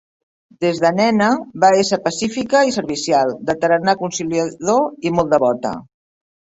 Des de nena, va ésser pacífica i servicial, de tarannà conciliador i molt devota.